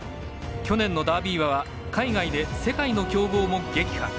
去年のダービー馬は海外で、世界の強豪も撃破。